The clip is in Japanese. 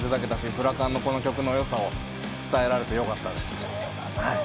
フラカンさんの、この曲を伝えられてよかったです。